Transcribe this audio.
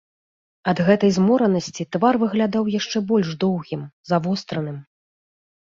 Ад гэтай зморанасці твар выглядаў яшчэ больш доўгім, завостраным.